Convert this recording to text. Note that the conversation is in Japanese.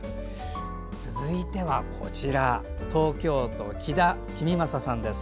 続いては、東京都木田公正さんです。